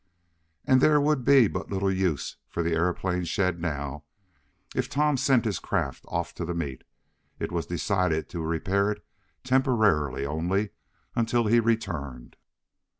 As there would be but little use for the aeroplane shed now, if Tom sent his craft off to the meet, it was decided to repair it temporarily only, until he returned.